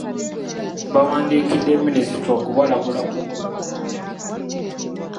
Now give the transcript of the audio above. Bawandiikidde Minisitule okubalabula ku muddo omupya.